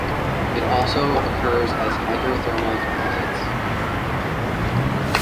It also occurs as hydrothermal deposits.